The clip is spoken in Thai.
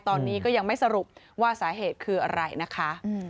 ตอนนี้ก็ยังไม่สรุปว่าสาเหตุคืออะไรนะคะ